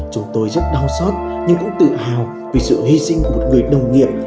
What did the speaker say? chúng tôi rất đau xót nhưng cũng tự hào vì sự hy sinh của một người đồng nghiệp